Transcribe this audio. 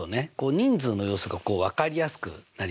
人数の様子が分かりやすくなりますね。